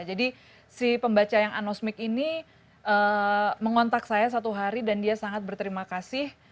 jadi si pembaca yang anosmik ini mengontak saya satu hari dan dia sangat berterima kasih